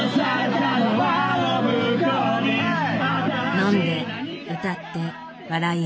飲んで歌って笑い合う。